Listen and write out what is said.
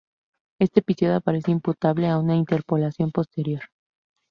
Este episodio aparece imputable a una interpolación posterior.